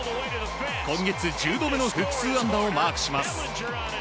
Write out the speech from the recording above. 今月１０度目の複数安打をマークします。